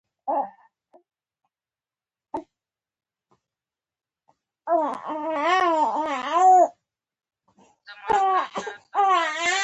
خلکو سترګه ورڅخه کوله.